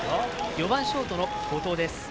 ４番、ショートの後藤です。